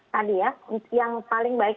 tadi ya yang paling baik